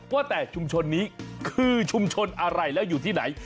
ว่าแต่ชุมชนนี้คือชุมชนอะไรแล้วอยู่ที่ไหน